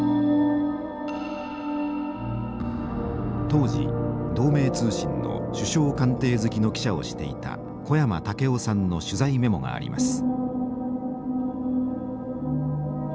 当時同盟通信の首相官邸付きの記者をしていた小山武夫さんの取材メモがあります。